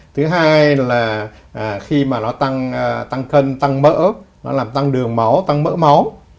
thứ hai là khi mà nó tăng tăng cân tăng mỡ nó làm tăng đường máu tăng mỡ máu